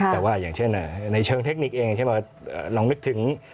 แต่ว่าในเชิงเทคนิคเองลองนึกถึง